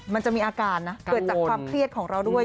มันจะมีอาการนะเกิดจากความเครียดของเราด้วย